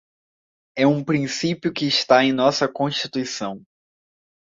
é um princípio que está em nossa Constituição